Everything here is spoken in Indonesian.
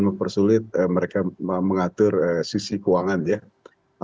kemudian pada saat mereka mengalami kegagalan dalam investasi tentu akan mempersulit mereka mengatur sisi keuangan ya